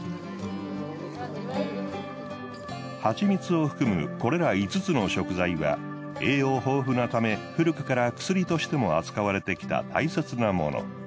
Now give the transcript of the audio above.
蜂蜜を含むこれら５つの食材は栄養豊富なため古くから薬としても扱われてきた大切なもの。